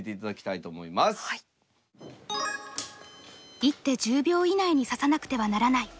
一手１０秒以内に指さなくてはならない。